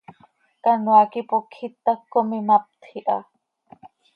Canoaa quih ipocj itac com imaptj iha.